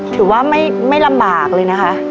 ถือว่าไม่ลำบากเลยนะคะ